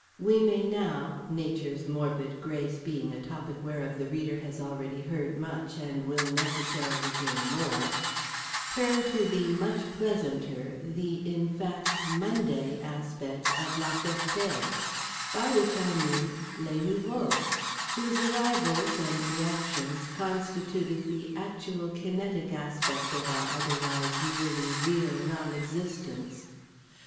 We may now—Nature's morbid grace being a topic whereof the reader has already heard much and will necessarily hear more—turn to the "much pleasanter," the in fact "Monday," aspect of La Ferté; by which I mean les nouveaux whose arrivals and reactions constituted the actual kinetic aspect of our otherwise merely real Nonexistence.